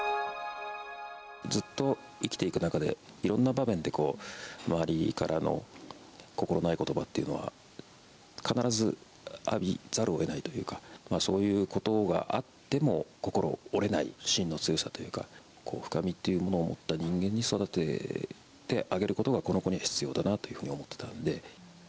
ずっと生きていく中で、いろんな場面で、周りからの心ないことばっていうのは、必ず浴びざるをえないというか、そういうことがあっても、心折れない芯の強さっていうか、深みというものを持った人間に育ててあげることがこの子に必要だ